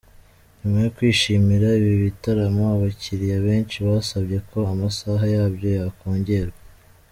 Nyuma yo kwishimira ibi bitaramo, abakiriya benshi basabye ko amasaha yabyo yakongerwa.